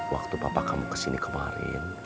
waktu papa kamu kesini kemarin